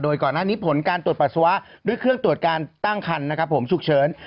โดยก่อนหน้านี้ผลการตรวจปัสสาวะด้วยเครื่องตรวจการตั้งคันนะครับผมฉุกเฉิน